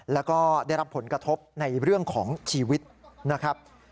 แล้วก็ได้รับผลกระทบในเรื่องของชีวิตนะครับ